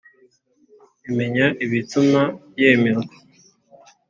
imenya ibituma yemerwa